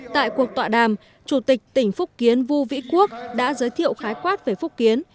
tại cuộc tọa đàm chủ tịch tỉnh phúc kiến vu vĩ quốc đã giới thiệu khái quát về phúc kiến